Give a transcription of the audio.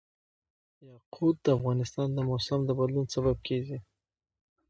یاقوت د افغانستان د موسم د بدلون سبب کېږي.